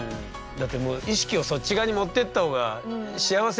だって意識をそっち側に持ってった方が幸せになるもんね。